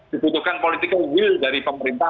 dibutuhkan political will dari pemerintah